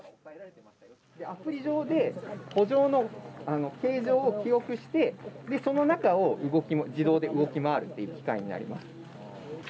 アプリ上で、ほ場の形状を記憶してその中を自動で動き回るという機械になります。